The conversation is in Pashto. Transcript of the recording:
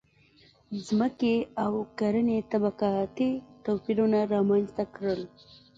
• ځمکې او کرنې طبقاتي توپیرونه رامنځته کړل.